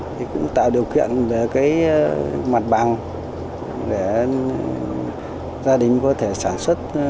thì cũng tạo điều kiện về cái mặt bằng để gia đình có thể sản xuất